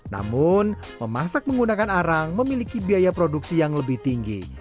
namun memasak menggunakan arang memiliki biaya produksi yang lebih tinggi